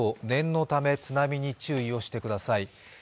念のため津波に注意をしてください。